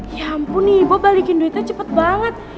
ya ampun ibu balikin duitnya cepet banget